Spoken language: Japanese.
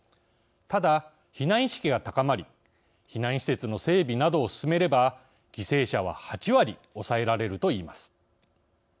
ただ、避難意識が高まり避難施設の整備などを進めれば犠牲者は８割抑えられるといいます。